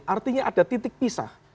artinya ada titik pisah